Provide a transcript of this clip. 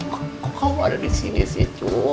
kok kamu ada di sini sih cu